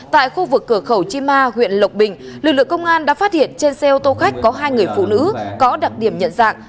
tại khu vực cửa khẩu chi ma huyện lộc bình lực lượng công an đã phát hiện trên xe ô tô khách có hai người phụ nữ có đặc điểm nhận dạng